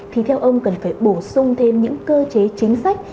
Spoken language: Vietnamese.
thì theo ông cần phải bổ sung thêm những cơ chế chính sách